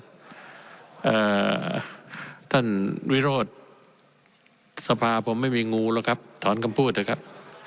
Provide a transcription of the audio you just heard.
อ่าท่านวิโรธสภาผมไม่มีงูหรอกครับถอนคำพูดเถอะครับ